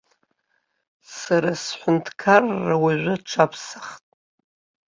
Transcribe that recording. Сара сҳәынҭқарра уажәы аҽаԥсахт.